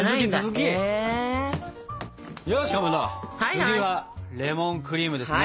次はレモンクリームですね。